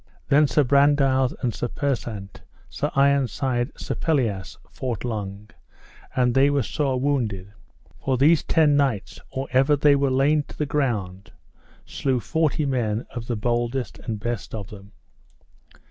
Then Sir Brandiles, and Sir Persant, Sir Ironside, Sir Pelleas fought long, and they were sore wounded, for these ten knights, or ever they were laid to the ground, slew forty men of the boldest and the best of them.